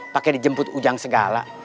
pake dijemput ujang segala